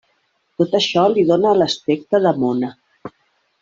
Tot això li dóna l'aspecte de mona.